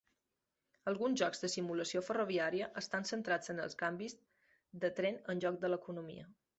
Alguns jocs de simulació ferroviària estan centrats en el canvis de tren enlloc de l"economia.